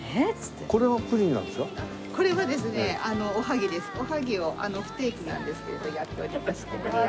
おはぎを不定期なんですけれどやっておりまして。